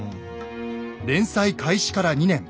連載開始から２年。